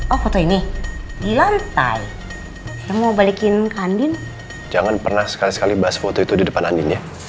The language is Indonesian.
oh foto ini di lantai saya mau balikin kandin jangan pernah sekali sekali bahas foto itu di depan andiin ya